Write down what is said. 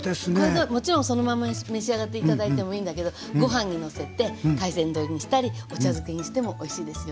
もちろんそのまんま召し上がって頂いてもいいんだけどご飯にのせて海鮮丼にしたりお茶漬けにしてもおいしいですよね。